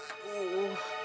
udah punya cewek